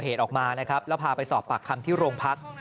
กอเหตุออกมาแล้วพาไปสอบปากคำที่โรงพัก